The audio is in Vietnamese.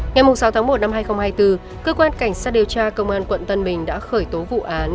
ngày sáu tháng một năm hai nghìn hai mươi bốn cơ quan cảnh sát điều tra công an quận tân bình đã khởi tố vụ án